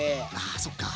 あそっか。